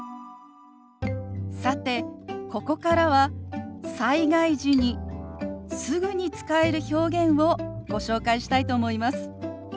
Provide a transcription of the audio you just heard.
さてここからは災害時にすぐに使える表現をご紹介したいと思います。